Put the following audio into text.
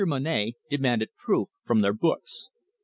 Monnett demanded proof from their books.